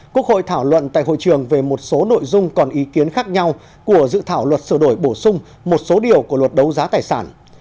quốc hội thảo luận tại hội trường về một số nội dung còn ý kiến khác nhau của dự thảo luật sửa đổi bổ sung một số điều của luật đấu giá tài sản